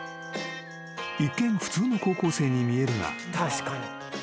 ［一見普通の高校生に見えるが実は］